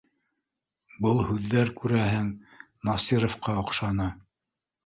Был һүҙҙәр, күрәһең, Насировҡа оҡшаны